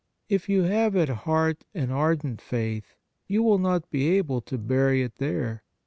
If you have at heart an ardent faith, you will not be able to bury it there.